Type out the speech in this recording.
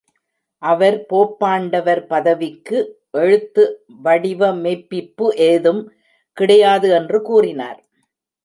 அவர் போப்பாண்டவர் பதவிக்கு எழுத்து வடிவ மெய்ப்பிப்பு ஏதும் கிடையாது என்று கூறினார்.